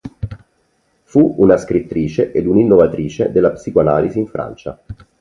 Fu una scrittrice ed un'innovatrice della psicoanalisi in Francia.